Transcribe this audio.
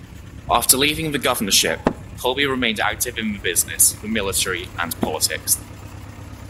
After leaving the governorship, Colby remained active in business, the military and politics.